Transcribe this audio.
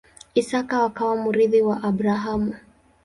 Isaka akawa mrithi wa Abrahamu.